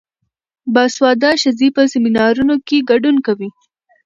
باسواده ښځې په سیمینارونو کې ګډون کوي.